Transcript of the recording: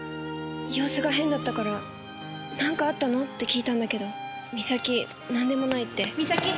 様子が変だったからなんかあったの？って聞いたんだけど美咲なんでもないって。